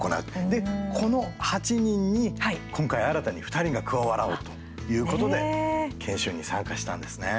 で、この８人に今回、新たに２人が加わろうということで研修に参加したんですね。